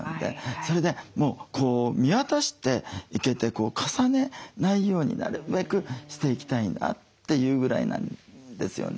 それで見渡していけて重ねないようになるべくしていきたいなというぐらいなんですよね。